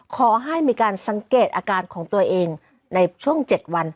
ขอให้มีการสังเกตอาการของตัวเองในช่วง๗วัน